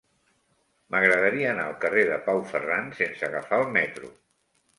M'agradaria anar al carrer de Pau Ferran sense agafar el metro.